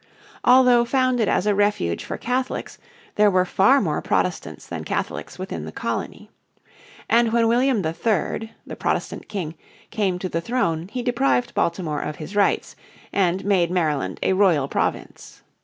Although founded as a refuge for Catholics there were far more Protestants than Catholics within the colony. And when William III, the Protestant King, came to the throne he deprived Baltimore of his rights, and made Maryland a royal province.